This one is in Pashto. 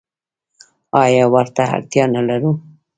آیا او ورته اړتیا نلرو؟